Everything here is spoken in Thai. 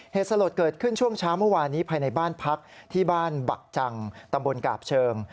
เหตุสลดเกิดขึ้นช่วงเช้าเมื่อวานนี้ภายในบ้านพักที่บ้านบักจังตำบลกาบเชิง